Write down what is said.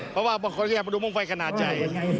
เพราะว่าบางคนก็อยากมาดูมงไฟขนาดใหญ่